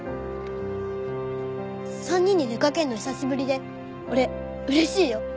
３人で出かけるの久しぶりで俺嬉しいよ。